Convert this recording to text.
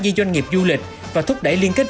với doanh nghiệp du lịch và thúc đẩy liên kết